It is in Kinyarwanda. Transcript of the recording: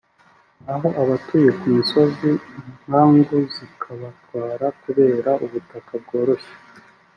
naho abatuye ku misozi inkangu zikabatwara kubera ubutaka bworoshye